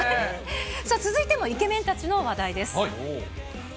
続いてもイケメンたちの話題です。